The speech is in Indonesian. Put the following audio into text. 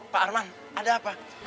pak arman ada apa